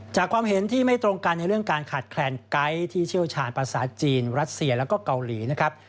ความเห็นที่ไม่ตรงกันในเรื่องการขาดแคลนไกด์ที่เชี่ยวชาญภาษาจีนรัสเซียแล้วก็เกาหลีนะครับ